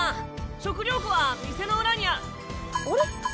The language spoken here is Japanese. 食糧庫は店の裏にああれ？